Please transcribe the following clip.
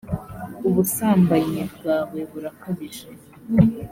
ubusambanyi bwawe burakabije